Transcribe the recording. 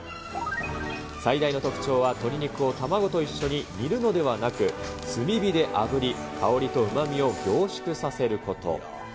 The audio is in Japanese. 最大の特徴は鶏肉を卵と一緒に煮るのではなく、炭火であぶり、香りとうまみを凝縮させること。